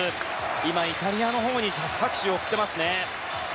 今イタリアのほうに拍手を送ってますね。